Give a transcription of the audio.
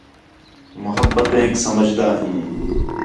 محبتیک سمجھدا ہیں